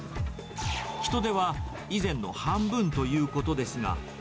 人手は以前の半分ということですが。